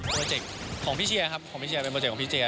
โปรเจคของพี่เชียครับเป็นโปรเจคของพี่เชีย